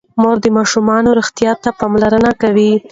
مور د ماشوم روغتيا ته پاملرنه کوي.